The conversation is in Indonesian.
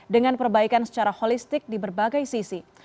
dengan perbaikan secara holistik di berbagai sisi